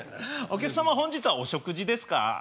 お客様本日はお食事ですか？